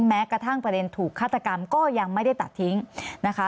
แม้กระทั่งประเด็นถูกฆาตกรรมก็ยังไม่ได้ตัดทิ้งนะคะ